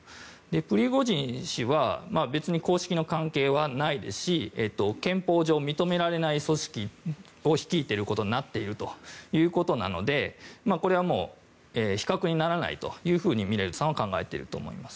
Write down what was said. プリゴジン氏は別に公式の関係はないですし憲法上認められない組織を率いていることになっているので比較にならないというふうにミレルさんは考えていると思います。